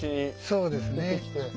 そうですね。